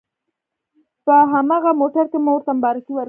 په هماغه موټر کې مو ورته مبارکي ورکړه.